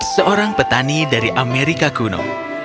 seorang petani dari amerika kuno